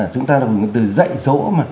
chúng ta gọi là dạy dỗ